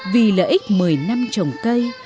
vì lợi ích một mươi năm trồng cây